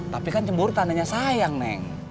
tapi kan cemburu tandanya sayang neng